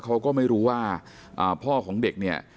เขาก็ไม่รู้ว่าพ่อของเด็กเนี่ย